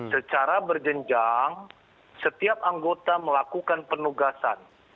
secara berjenjang setiap anggota melakukan penugasan